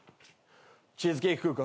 チーズケーキ食うか？